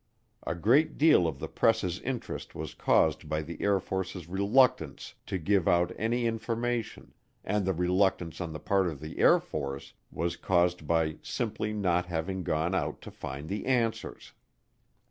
A great deal of the press's interest was caused by the Air Force's reluctance to give out any information, and the reluctance on the part of the Air Force was caused by simply not having gone out to find the answers.